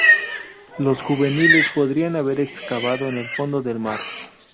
Los juveniles podrían haber excavado en el fondo del mar.